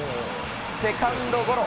セカンドゴロ。